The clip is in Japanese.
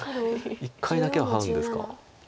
一回だけはハウんですか。